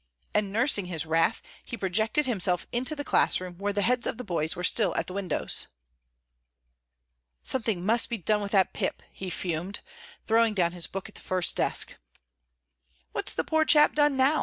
And nursing his wrath he projected himself into the class room where the heads of the boys were still at the windows. "Something must be done with that Pip!" he fumed, throwing down his book on the first desk. "What's the poor chap done now?"